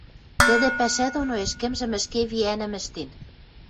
Тӹдӹ пӓшӓ доно ӹшкӹмжӹм ӹшке виӓнӹм ӹштен.